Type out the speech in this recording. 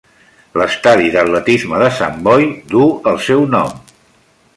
L'estadi d'atletisme de Sant Boi duu el seu nom.